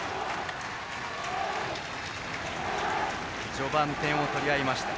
序盤、点を取り合いました。